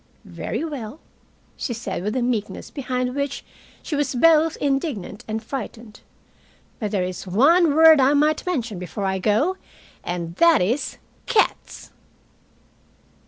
"Very well," she said, with a meekness behind which she was both indignant and frightened. "But there is one word I might mention before I go, and that is cats!"